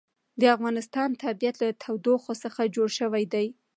د افغانستان طبیعت له تودوخه څخه جوړ شوی دی.